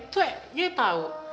tuh gue tau